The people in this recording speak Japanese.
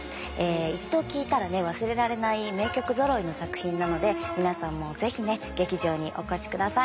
一度聴いたら忘れられない名曲ぞろいの作品なので皆さんもぜひ劇場にお越しください。